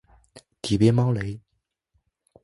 底边猫雷！